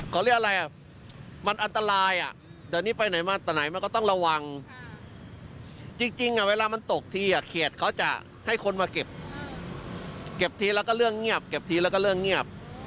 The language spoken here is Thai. เก็บทีแล้วก็เรื่องเงียบ